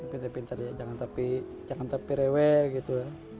pintar pintarnya jangan tapi rewel gitu